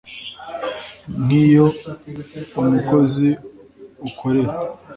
Nk iy umukozi ukorera